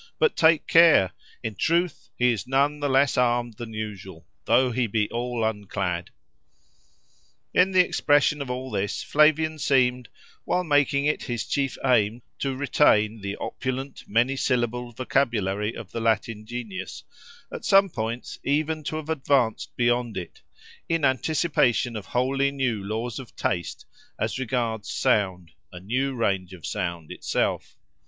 But take care! In truth he is none the less armed than usual, though he be all unclad." In the expression of all this Flavian seemed, while making it his chief aim to retain the opulent, many syllabled vocabulary of the Latin genius, at some points even to have advanced beyond it, in anticipation of wholly new laws of taste as regards sound, a new range of sound itself.